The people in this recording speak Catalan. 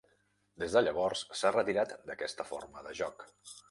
Des de llavors s'ha retirat d'aquesta forma de joc.